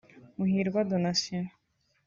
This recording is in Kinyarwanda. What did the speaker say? Muhirwa Donatien